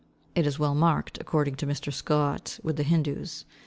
It is well marked, according to Mr. Scott, with the Hindoos.